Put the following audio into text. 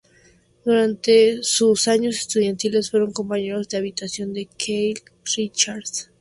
Durante sus años estudiantiles fue compañero de habitación de Keith Richards.